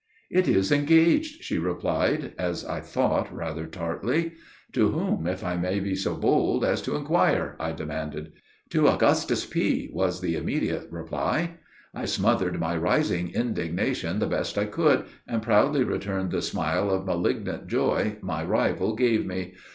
'It is engaged,' she replied, as I thought, rather tartly. 'To whom, if I may be so bold as to inquire?' I demanded. 'To Augustus P.,' was the immediate reply. I smothered my rising indignation the best I could, and proudly returned the smile of malignant joy my rival gave me.